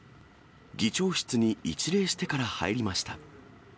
議長室に一礼してから入りました。